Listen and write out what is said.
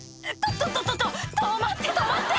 「ととと止まって止まって！